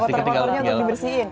kotor kotornya untuk dibersihin